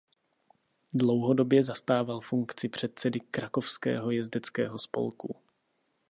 Dlouhodobě zastával funkci předsedy krakovského jezdeckého spolku.